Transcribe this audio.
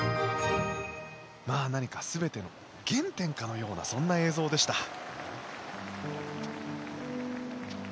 何か全ての原点かのようなそんな映像でした。